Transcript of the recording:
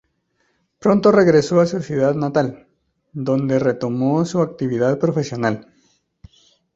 Pronto regresó a su ciudad natal, donde retomó su actividad profesional.